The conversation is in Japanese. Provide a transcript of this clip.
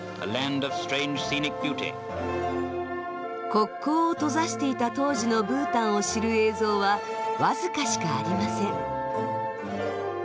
国交を閉ざしていた当時のブータンを知る映像は僅かしかありません。